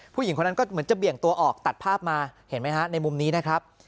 ผู้หญิงคนนั้นก็เหมือนจะเบี่ยงตัวออกตัดภาพมาเห็นไหมฮะในมุมนี้นะครับ